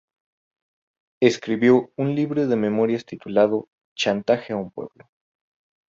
Escribió un libro de memorias titulado, "Chantaje a un pueblo".